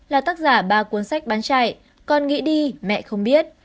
là tác giả ba cuốn sách bán chạy con nghĩ đi mẹ không biết